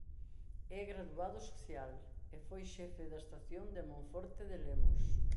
É graduado social e foi xefe da Estación de Monforte de Lemos.